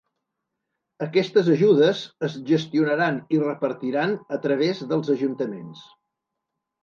Aquestes ajudes es gestionaran i repartiran a través dels ajuntaments.